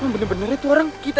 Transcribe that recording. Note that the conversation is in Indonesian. bener bener itu orang kita